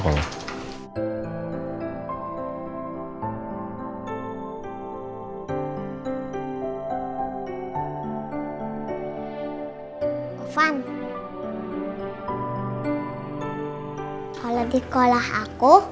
kalo di kolah aku